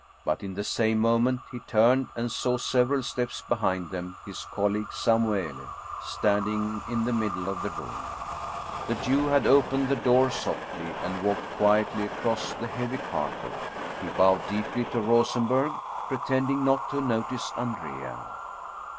But in the same moment he turned and saw, several steps behind them, his colleague Samuele standing in the middle of the room. The 67 German Mystery Stones Jew had opened the door softly and walked quietly across the heavy carpet. He bowed deeply to Rosenberg, pre tending not to notice Andrea.